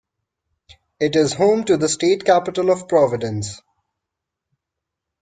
It is home to the state capital of Providence.